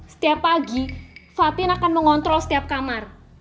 setiap pagi fatin akan mengontrol setiap kamar